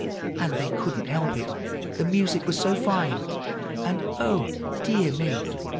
And they couldn't help it, the music was so fine; and oh, dear me!